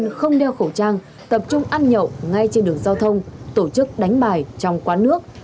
tổ tuần tra không đeo khẩu trang tập trung ăn nhậu ngay trên đường giao thông tổ chức đánh bài trong quán nước